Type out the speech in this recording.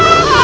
makan dan son